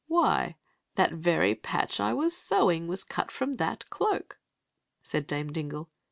* Wfcy, tf»t very patch I wa« ^wmg was cut from that cloak, said Dame Dingle.